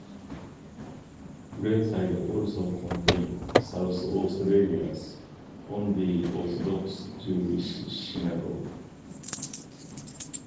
Glenside also contains South Australia's only orthodox Jewish synagogue.